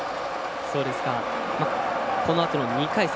このあとの２回戦。